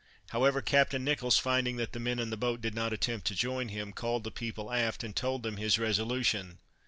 However, Captain Nicholls finding that the men in the boat did not attempt to join him, called the people aft, and told them his resolution.